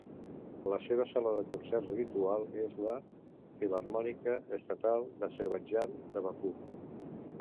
La seva sala de concerts habitual és la Filharmònica Estatal d'Azerbaidjan de Bakú.